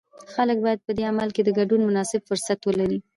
خلک باید په دې عمل کې د ګډون مناسب فرصت ولري.